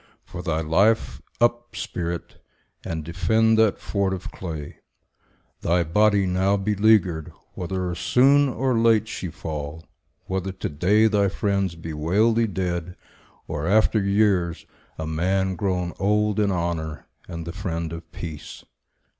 For thy life, Up, spirit, and defend that fort of clay, Thy body, now beleaguered; whether soon Or late she fall; whether to day thy friends Bewail thee dead, or, after years, a man Grown old in honour and the friend of peace.